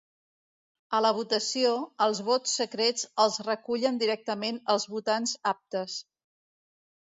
A la votació, els vots secrets els recullen directament els votants aptes.